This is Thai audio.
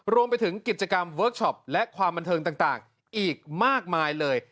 รวมไปถึงกิจกรรมเวิร์คชอปและความบันเทิงต่างอีกมากมายเลย